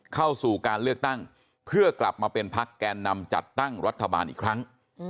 เข้าสู่การเลือกตั้งเพื่อกลับมาเป็นพักแกนนำจัดตั้งรัฐบาลอีกครั้ง